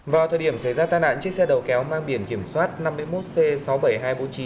vào thời điểm xảy ra tai nạn chiếc xe đầu kéo mang biển kiểm soát năm mươi một c sáu mươi bảy nghìn hai trăm bốn mươi chín